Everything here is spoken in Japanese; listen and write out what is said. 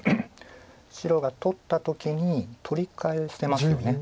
白が取った時に取り返せますよね。